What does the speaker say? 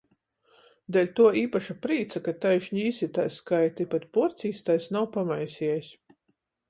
Deļtuo eipaša prīca, ka taišni jis itai skaita i pat puorcīstais nav pamaisiejs.